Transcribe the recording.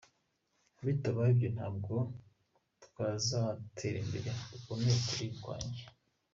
Bitabaye ibyo ntabwo twazatera imbere, uko ni ukuri kwanjye.